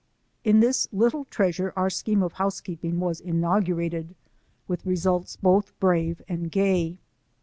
In this little treasure our scheme of housekeeping was inaugurated with results both brave and gay.